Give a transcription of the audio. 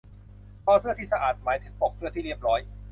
คอเสื้อที่สะอาดหมายถึงปกเสื้อที่เรียบร้อย